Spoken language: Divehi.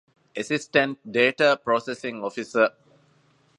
އެސިސްޓެންޓް ޑޭޓާ ޕްރޮސެސިންގ އޮފިސަރ